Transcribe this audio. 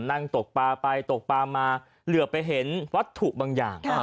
นั่งตกปลาไปตกปลามาเหลือไปเห็นวัตถุบางอย่าง